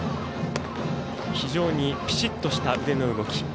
非常にピシッとした腕の動き。